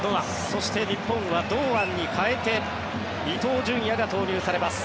そして、日本は堂安に代えて伊東純也が投入されます。